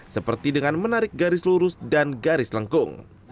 seperti dengan menarik garis lurus dan garis lengkung